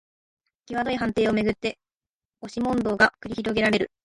きわどい判定をめぐって押し問答が繰り広げられる